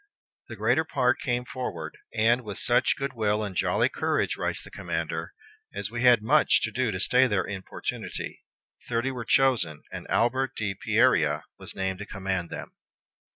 The greater part came forward, and "with such a good will and joly corage," writes the commander, "as we had much to do to stay their importunitie." Thirty were chosen, and Albert de Pierria was named to command them.